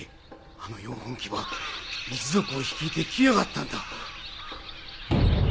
あの４本牙一族を率いて来やがったんだ。